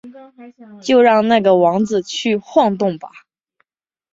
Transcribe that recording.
就让那个王子去晃动吧！